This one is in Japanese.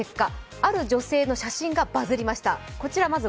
ある女性の写真がバズりました。